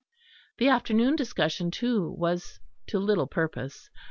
The afternoon discussion, too, was to little purpose.